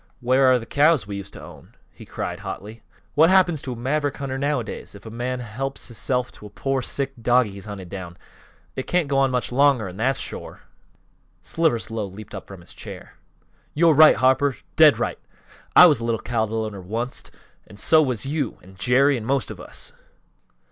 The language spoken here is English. Where are th' cows that we used to own?" he cried, hotly. "What happens to a maverick hunter, nowadays? If a man helps hisself to a pore, sick dogie he's hunted down! It can't go on much longer, an' that's shore." Slivers Lowe leaped up from his chair. "Yo're right, Harper! Dead right! I was a little cattle owner onct, so was you, an' Jerry, an' most of us!"